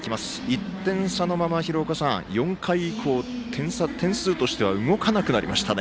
１点差のまま、廣岡さん４回以降点数としては動かなくなりましたね。